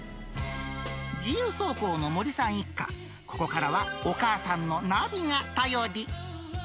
自由走行の森さん一家、ここからはお母さんのナビが頼り。